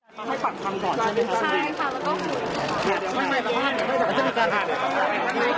โอ้ยมันมานี้กันเลยหรอ